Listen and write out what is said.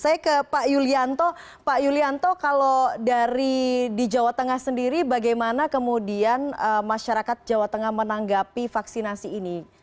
saya ke pak yulianto pak yulianto kalau dari di jawa tengah sendiri bagaimana kemudian masyarakat jawa tengah menanggapi vaksinasi ini